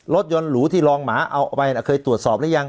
รถยนต์หรูที่รองหมาเอาไปเคยตรวจสอบหรือยัง